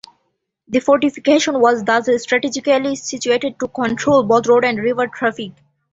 The fortification was thus strategically situated to control both road and river traffic.